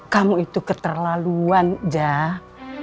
kamu itu keterlaluan jah